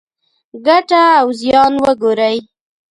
ګټه او زیان وګورئ.